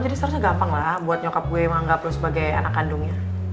jadi seharusnya gampang lah buat nyokap gue menganggap lo sebagai anak kandungnya